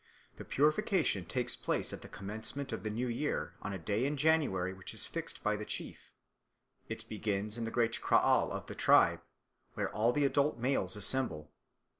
The purification takes place at the commencement of the new year on a day in January which is fixed by the chief. It begins in the great kraal of the tribe, where all the adult males assemble.